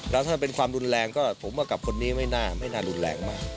แล้วถ้าเป็นความรุนแรงก็ผมว่ากับคนนี้ไม่น่ารุนแรงมาก